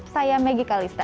saya megi kalista